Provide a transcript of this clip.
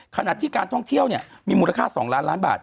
ขณะที่การท่องเที่ยวเนี่ยมีมูลค่า๒ล้านล้านบาท